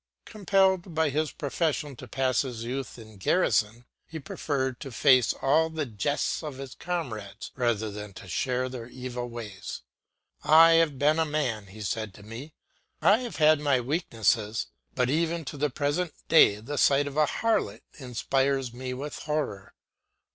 Compelled by his profession to pass his youth in garrison, he preferred to face all the jests of his comrades rather than to share their evil ways. "I have been a man," he said to me, "I have had my weaknesses, but even to the present day the sight of a harlot inspires me with horror."